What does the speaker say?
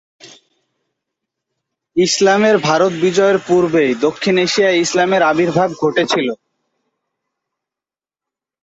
ইসলামের ভারত বিজয়ের পূর্বেই দক্ষিণ এশিয়ায় ইসলামের আবির্ভাব ঘটেছিল।